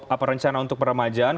apa rencana untuk peremajaan